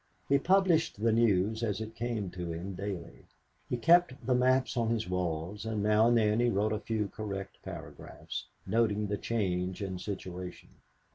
He published the news as it came to him daily. He kept the maps on his walls, and now and then he wrote a few correct paragraphs, noting the change in situation.